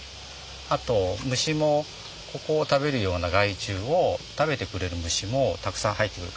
あと虫もここを食べるような害虫を食べてくれる虫もたくさん入ってくる。